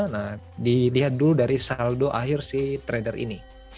nah dilihat dulu dari saldo akhir si trader ini